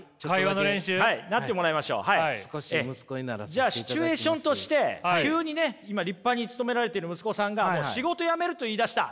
じゃあシチュエーションとして急にね今立派に勤められている息子さんが「仕事辞める」と言いだした。